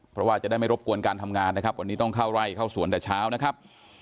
เพราะว่าจะได้ไม่รบกวนการทำงานนะครับวันนี้ต้องเข้าไร่เข้าสวนแต่เช้านะครับ